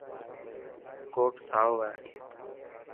ڪوٽ سائو هي.